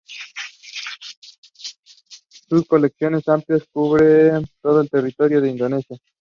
Sus colecciones amplias cubren todo el territorio de Indonesia y casi toda su historia.